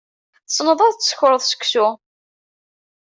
Tessneḍ ad tsekreḍ seksu.